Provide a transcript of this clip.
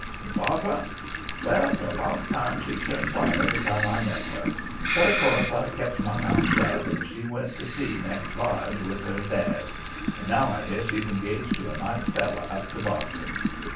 "And Barbara? Well, for a long time she'd turn white every time I met her. But, of course, I kept my mouth shut, and she went to sea next v'yage with her dad. And now I hear she's engaged to a nice feller up to Boston.